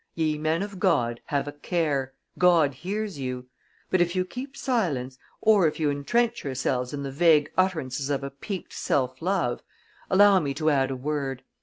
Ye men of God, have a care; God hears you! But, if you keep silence, or if you intrench yourselves in the vague utterances of a piqued self love, allow me to add a word.